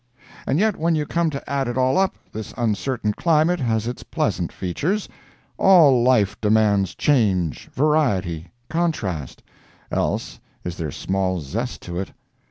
And yet when you come to add it all up, this uncertain climate has its pleasant features. All life demands change, variety, contrast—else is there small zest to it.